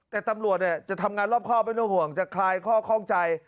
แต่ตำรวจจะทำงานรอบข้อไม่ต้องห่วงจะคลายข้อข้องใจ